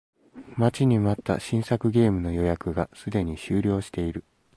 待ちに待った新作ゲームの予約がすでに終了している